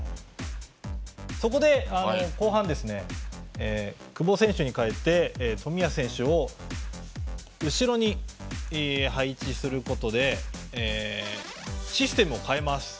そこで、後半久保選手に代えて冨安選手を後ろに配置することでシステムを変えます。